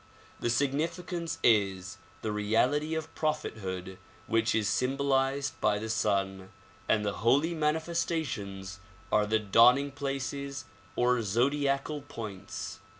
The significance is the reality of prophethood which is symbolized by the sun, and the holy manifestations are the dawning places or zodiacal points.